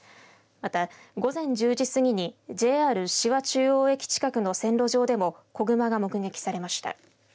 また、午前１０時過ぎにＪＲ紫波中央駅近くの線路上でも子グマが目撃されました。